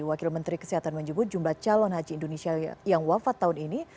wakil menteri kesehatan menyebut jumlah calon haji indonesia yang wafat tahun ini